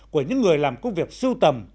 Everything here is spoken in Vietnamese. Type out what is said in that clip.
của những người làm công việc sưu tầm